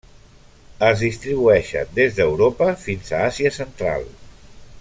Es distribueixen des d'Europa fins a Àsia central.